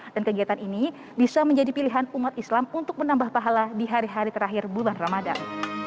dan kegiatan ini bisa menjadi pilihan umat islam untuk menambah pahala di hari hari terakhir bulan ramadan